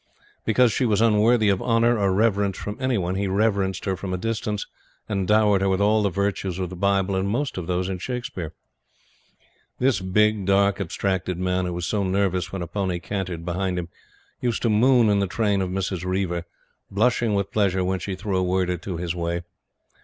Because she was unworthy of honor or reverence from any one, he reverenced her from a distance and dowered her with all the virtues in the Bible and most of those in Shakespeare. This big, dark, abstracted man who was so nervous when a pony cantered behind him, used to moon in the train of Mrs. Reiver, blushing with pleasure when she threw a word or two his way.